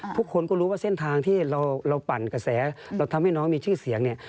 ทุกคนก็รู้ว่าเส้นทางที่เราปั่นกระแสเราทำให้น้องมีชื่อเสียงเนี่ย